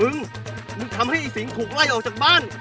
มึงมึงทำให้ไอ้สิงถูกไล่ออกจากบ้าน